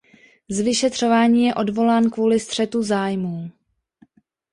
Z vyšetřování je odvolán kvůli střetu zájmů.